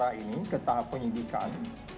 perkara ini ke tahap penyidikan